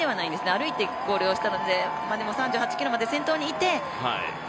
歩いてゴールをしたのででも３８ｋｍまで先頭にいて。